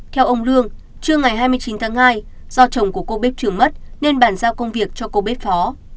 theo ông lương trưa ngày hai mươi chín tháng hai do chồng của cô bích trử mất nên bàn giao công việc cho cô bếp phó